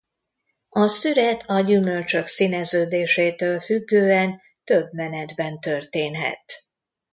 A szüret a gyümölcsök színeződésétől függően több menetben történhet.